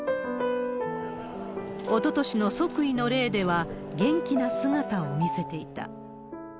おととしの即位の礼では、元気な姿を見せていた。